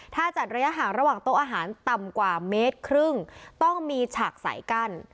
ถ้าจัดระยะห่างระหว่างโต๊ะอาหารต่ำกว่าเมตรครึ่งต้องมีฉากสายกั้น